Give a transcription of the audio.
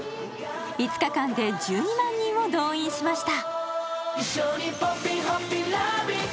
５日間で１２万人を動員しました。